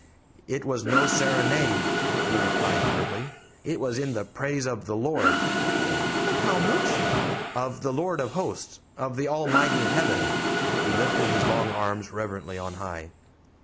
"It was no serenade," he replied, curtly; "it was in the praise of the Lord!" "Of how mooch?" "Of the Lord of Hosts of the Almighty in Heaven." He lifted his long arms reverently on high.